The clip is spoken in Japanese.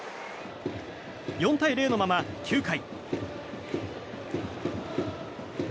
４対０のまま９回。